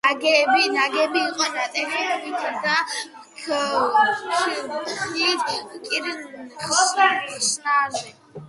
ნაგები იყო ნატეხი ქვით და ფიქლით კირის ხსნარზე.